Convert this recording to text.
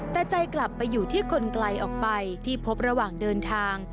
แต่ใจกลับไปอยู่ที่คนไกลออกไปที่พบระหว่างเดินทาง